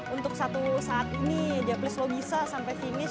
untuk satu saat ini dia plus lo bisa sampai finish